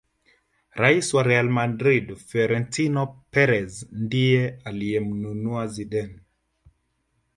rais wa real madrid Frorentino Perez ndiye aliyemnunua Zidane